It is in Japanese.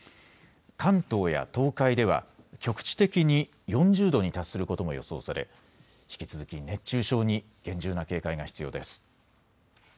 関東や東海では局地的に４０度に達することも予想され引き続き熱中症に厳重な警戒が必要です。